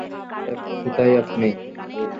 Jeff, কোথায় আপনি?